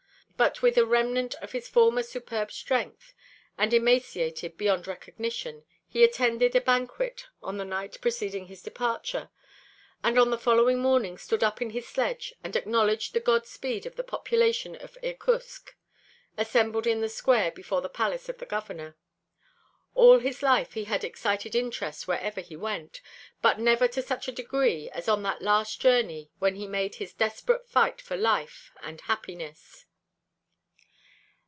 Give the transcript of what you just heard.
With but a remnant of his former superb strength, and emaciated beyond recognition, he attended a banquet on the night preceding his departure, and on the following morning stood up in his sledge and acknowledged the God speed of the population of Irkutsk assembled in the square before the palace of the Governor. All his life he had excited interest wherever he went, but never to such a degree as on that last journey when he made his desperate fight for life and happiness.